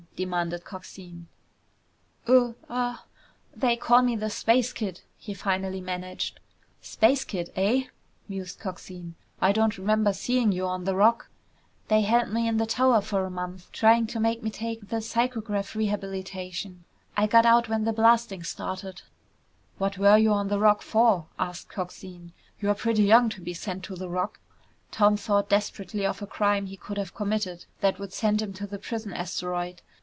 demanded Coxine. "Uh uh they call me the Space Kid!" he finally managed. "Space Kid, eh?" mused Coxine. "I don't remember seeing you on the Rock." "They held me in the tower for a month trying to make me take the psychograph rehabilitation. I got out when the blasting started." "What were you on the Rock for?" asked Coxine. "You're pretty young to be sent to the Rock." Tom thought desperately of a crime he could have committed that would send him to the prison asteroid.